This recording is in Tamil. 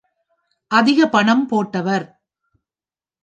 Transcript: அதிகப் பணம் போட்டவர்.